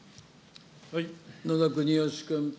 野田国義君。